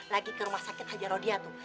lagi ke rumah sakit haja rodia tuh